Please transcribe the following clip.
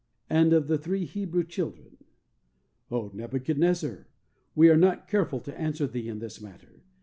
And of the three Hebrew children: "O Nebuchadnezzar, we are not careful to answer thee in this matter.